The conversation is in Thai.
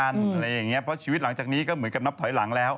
อะไรอย่างนี้เพราะชีวิตหลังจากนี้ก็เหมือนกับนับถอยหลังแล้ว